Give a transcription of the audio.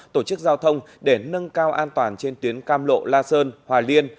tổ chức giao thông để nâng cao an toàn trên tuyến cam lộ la sơn hòa liên